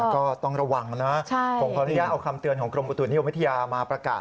ก็ต้องระวังนะผมขออนุญาตเอาคำเตือนของกรมอุตุนิยมวิทยามาประกาศ